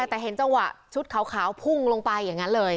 แต่เห็นจังหวะชุดขาวพุ่งลงไปอย่างนั้นเลย